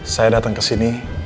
saya datang kesini